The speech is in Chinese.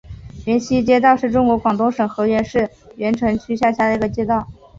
源西街道是中国广东省河源市源城区下辖的一个街道。